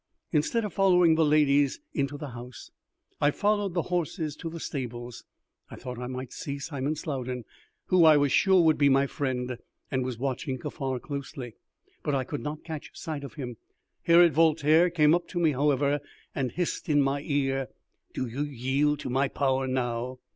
Instead of following the ladies into the house, I followed the horses to the stables. I thought I might see Simon Slowden, who I was sure would be my friend, and was watching Kaffar closely, but I could not catch sight of him. Herod Voltaire came up to me, however, and hissed in my ear "Do you yield to my power now?"